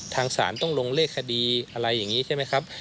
ทางศาลต้องลงเลขคดีอะไรอย่างนี้ใช่ไหมครับ